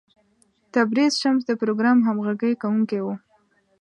تبریز شمس د پروګرام همغږی کوونکی و.